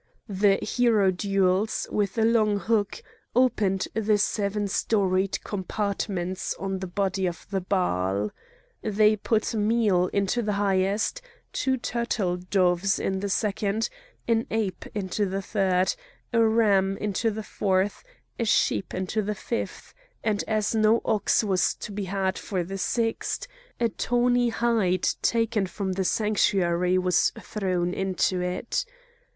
The hierodules, with a long hook, opened the seven storied compartments on the body of the Baal. They put meal into the highest, two turtle doves into the second, an ape into the third, a ram into the fourth, a sheep into the fifth, and as no ox was to be had for the sixth, a tawny hide taken from the sanctuary was thrown into it.